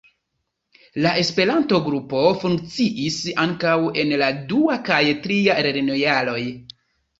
La Esperanto-grupo funkciis ankaŭ en la dua kaj tria lernojaroj.